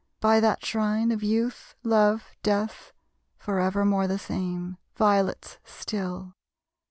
By that shrine Of Youth, Love, Death, forevermore the same, Violets still!